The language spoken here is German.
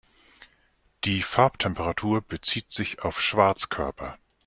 Die Farbtemperatur bezieht sich auf Schwarzkörper.